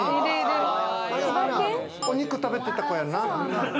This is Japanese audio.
お肉、食べてた子やな。